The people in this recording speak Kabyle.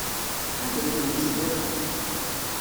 Anda ay ten-tezliḍ?